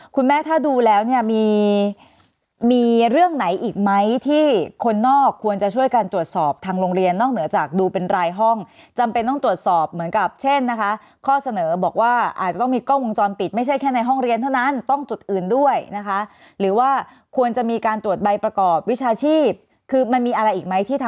คุณแม่ถ้าดูแล้วเนี่ยมีมีเรื่องไหนอีกไหมที่คนนอกควรจะช่วยกันตรวจสอบทางโรงเรียนนอกเหนือจากดูเป็นรายห้องจำเป็นต้องตรวจสอบเหมือนกับเช่นนะคะข้อเสนอบอกว่าอาจจะต้องมีกล้องวงจรปิดไม่ใช่แค่ในห้องเรียนเท่านั้นต้องจุดอื่นด้วยนะคะหรือว่าควรจะมีการตรวจใบประกอบวิชาชีพคือมันมีอะไรอีกไหมที่ท